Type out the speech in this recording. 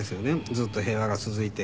ずっと平和が続いて。